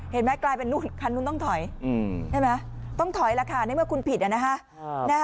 เห็นไหมกลายเป็นนู่นคันนู้นต้องถอยใช่ไหมต้องถอยแล้วค่ะในเมื่อคุณผิดนะฮะ